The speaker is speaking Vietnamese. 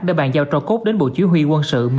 để bàn giao cho cốt đến bộ chủ yếu huy quân sự